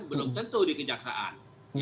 belum tentu dikejaksaan